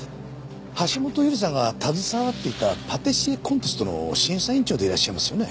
橋本優里さんが携わっていたパティシエコンテストの審査委員長でいらっしゃいますよね？